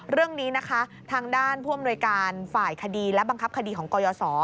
เรื่องนี้นะคะทางด้านผู้อำนวยการฝ่ายคดีและบังคับคดีของกยศ